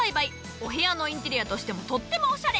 お部屋のインテリアとしてもとってもおしゃれ！